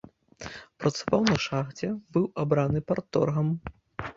Працаваў на шахце, быў абраны парторгам.